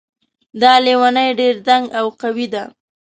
دا لیونۍ ډېر دنګ او قوي ده